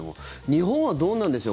日本はどうなんでしょう？